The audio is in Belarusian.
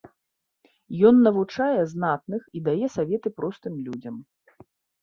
Ён навучае знатных і дае саветы простым людзям.